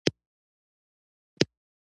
سلسلې سرکټ کې جریان یو شان وي.